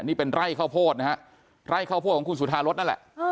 นี่เป็นไร่ข้าวโพดนะฮะไร่ข้าวโพดของคุณสุธารสนั่นแหละ